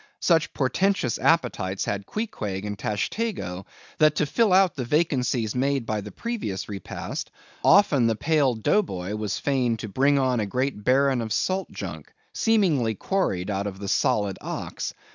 Such portentous appetites had Queequeg and Tashtego, that to fill out the vacancies made by the previous repast, often the pale Dough Boy was fain to bring on a great baron of salt junk, seemingly quarried out of the solid ox.